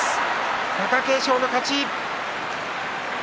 貴景勝の勝ち。